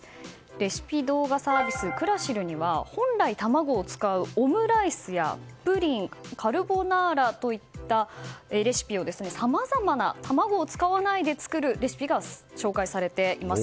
レシピ動画サービスクラシルには本来、卵を使うオムライスやプリン、カルボナーラといったレシピをさまざま卵を使わないで作るレシピが紹介されています。